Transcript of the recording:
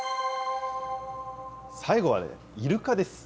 最後はイルカです。